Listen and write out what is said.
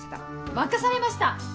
任されました！